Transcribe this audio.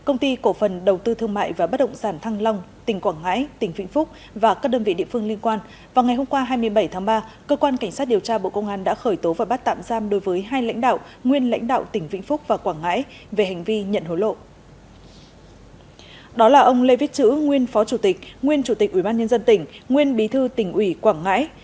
nguyễn phó chủ tịch nguyên chủ tịch ủy ban nhân dân tỉnh nguyên bí thư tỉnh ủy quảng ngãi